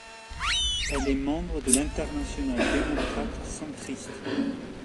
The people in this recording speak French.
Elle est membre de l'Internationale démocrate centriste.